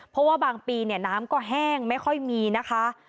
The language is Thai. เพราะว่าบางปีเนี่ยน้ำก็แห้งไม่ค่อยมีนะคะ